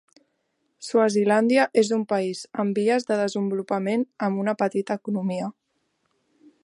Swazilàndia és un país en vies de desenvolupament amb una petita economia.